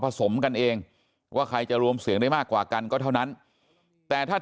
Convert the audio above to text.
สมกันเองว่าใครจะรวมเสียงได้มากกว่ากันก็เท่านั้นแต่ถ้า